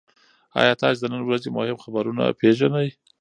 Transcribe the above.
ایا تاسي د نن ورځې مهم خبرونه پېژنئ؟